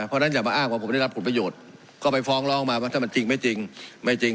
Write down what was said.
เพราะฉะนั้นอย่ามาอ้างว่าผมได้รับผลประโยชน์ก็ไปฟ้องร้องมาว่าถ้ามันจริงไม่จริงไม่จริง